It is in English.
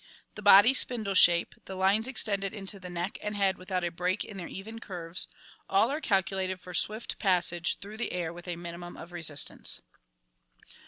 The body spindle shape, the lines extended into the neck and head without a break in their even curves — all are 296 organic evolution calculated for swift passage through the air with a minimum of resistance.